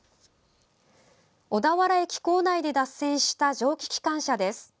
小田原駅構内で脱線した蒸気機関車です。